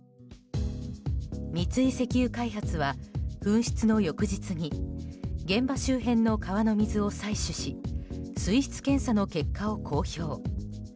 三井石油開発は、噴出の翌日に現場周辺の川の水を採取し水質検査の結果を公表。